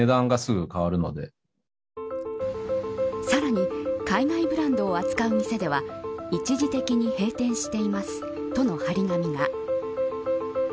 さらに海外ブランドを扱う店では一時的に閉店していますとの張り紙が。